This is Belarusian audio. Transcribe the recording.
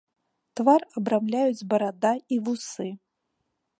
Твар абрамляюць барада і вусы.